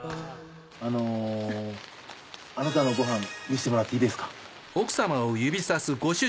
あのあなたのご飯見せてもらっていいですか？